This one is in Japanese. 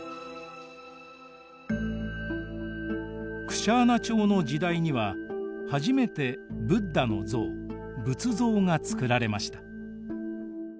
クシャーナ朝の時代には初めてブッダの像仏像が作られました。